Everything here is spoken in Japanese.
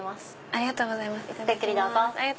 ありがとうございます。